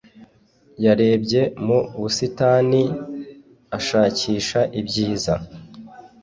yarebye mu busitani, ashakisha ibyiza